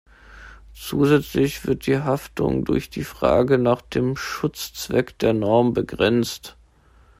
Zusätzlich wird die Haftung durch die Frage nach dem Schutzzweck der Norm begrenzt.